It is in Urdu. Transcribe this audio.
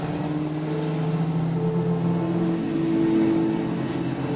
tour de Romandie cycle race دوسرے مرحلے میں بیلجیئم کے تھامس نے میدان مار لیا